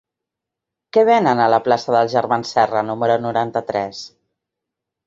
Què venen a la plaça dels Germans Serra número noranta-tres?